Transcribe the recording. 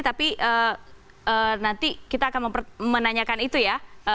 tapi nanti kita akan menanyakan itu ya